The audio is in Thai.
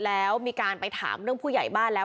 แล้วมีการไปถามเรื่องผู้ใหญ่บ้านแล้ว